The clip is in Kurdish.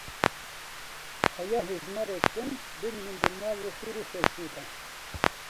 Heya hejmarek din bimînin di nav xêr û xweşîyê de.